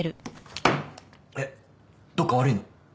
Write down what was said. えっどっか悪いの？